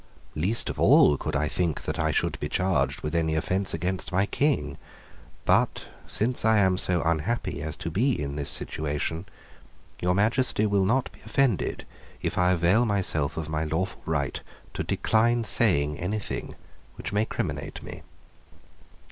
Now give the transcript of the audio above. Least of all could I think that I should be charged with any offence against my King: but, since I am so unhappy as to be in this situation, your Majesty will not be offended if I avail myself of my lawful right to decline saying anything which may criminate me."